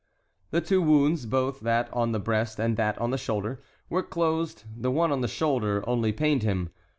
The two wounds, both that on the breast and that on the shoulder, were closed; the one on the shoulder only pained him.